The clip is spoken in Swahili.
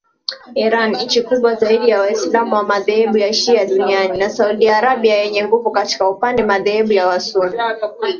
Iran, nchi kubwa zaidi ya waislamu wa madhehebu ya shia duniani, na Saudi Arabia yenye nguvu katika upande madhehebu ya wasunni